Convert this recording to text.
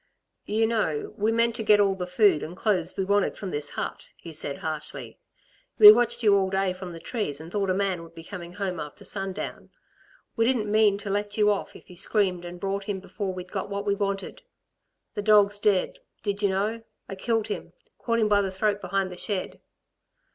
"You know, we meant to get all the food and clothes we wanted from this hut," he said harshly. "We watched you all day from the trees and thought a man would be coming home after sundown. We didn't mean to let you off if you screamed and brought him before we'd got what we wanted.... The dog's dead. Did you know? I killed him, caught him by the throat behind the shed?"